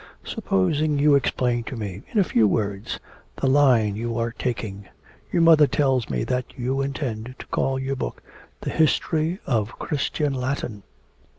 Supposing you explain to me, in a few words, the line you are taking. Your mother tells me that you intend to call your book the History of Christian Latin."